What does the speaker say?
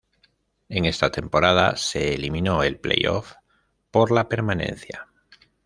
En esta temporada se eliminó el play-off por la permanencia.